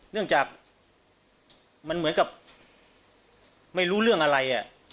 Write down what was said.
เนื่องจากมันเหมือนกับไม่รู้เรื่องอะไร